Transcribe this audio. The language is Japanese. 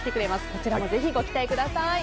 こちらもぜひご期待ください。